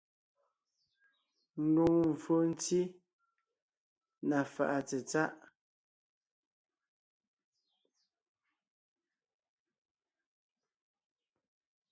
Ndùŋmvfò ntí (na fàʼa tsetsáʼ).